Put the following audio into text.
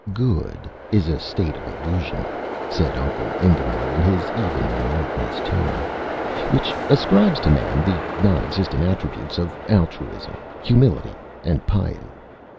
"Good is a state of illusion," said Uncle Ingemar in his even, monotonous voice, "which ascribes to man the nonexistent attributes of altruism, humility, and piety.